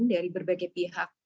dari berbagai pihak